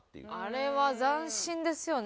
あれは斬新ですよね